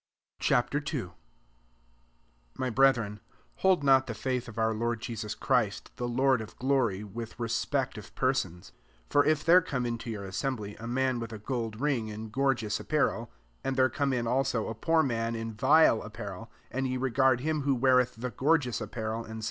Ch. II. 1 Mt brethren, hold not the futh of our Lord Jesus Christ, the Lord of glory, with respect of persons. 2 For if there come into your assembly a man with a gold ring Id gor geous apparel, and there come in also a poor man in Tile ap parel ; 3 and ye regard him wiio weareth the gorgeous apparel, and.